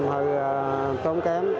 hơi tốn kém